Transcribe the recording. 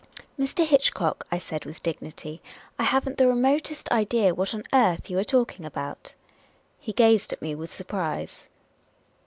" Mr. Hitchcock," I said, with dignity, " I have n't the remotest idea what on earth you are talking about." He gazed at me with surprise.